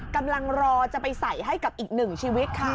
กำลังรอจะไปใส่ให้กับอีกหนึ่งชีวิตค่ะ